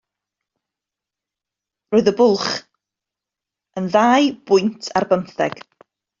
Roedd y bwlch yn ddau bwynt ar bymtheg.